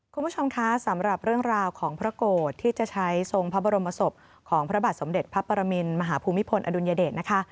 คุณผู้ชมคะสำหรับเรื่องราวของพระโกรธที่จะใช้ทรงพระบรมศพของพระบาทสมเด็จพระปรมินมหาภูมิพลอดุลยเดชนะคะ